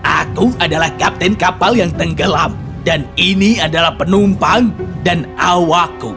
aku adalah kapten kapal yang tenggelam dan ini adalah penumpang dan awakku